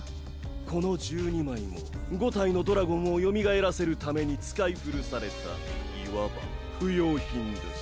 この１２枚も５体のドラゴンをよみがえらせるために使い古されたいわば不用品です。